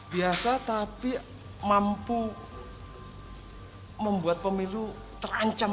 biasa tapi mampu membuat pemilu terancam